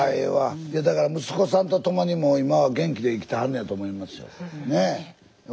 いやだから息子さんと共にもう今は元気で生きてはるんやと思いますよ。